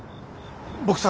僕さ